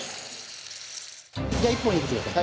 じゃあ１本入れてください。